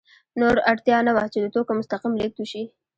نور اړتیا نه وه چې د توکو مستقیم لېږد وشي